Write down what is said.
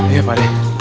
iya pak de